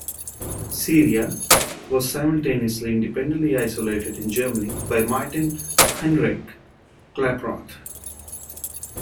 Ceria was simultaneously independently isolated in Germany by Martin Heinrich Klaproth.